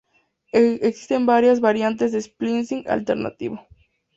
Existen varias variantes de splicing alternativo.